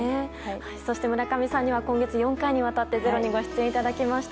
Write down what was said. そして村上さんには今月４回にわたって「ｚｅｒｏ」にご出演いただきました。